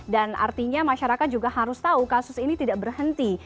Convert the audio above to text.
dan artinya masyarakat juga harus tahu kasus ini tidak berhenti